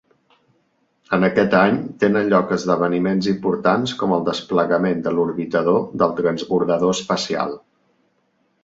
En aquest any, tenen lloc esdeveniments importants com el desplegament de l'orbitador del transbordador espacial.